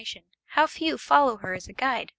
how few follow her as a guide!